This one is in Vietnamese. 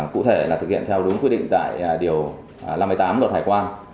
cụ thể là thực hiện theo đúng quy định tại điều năm mươi tám luật hải quan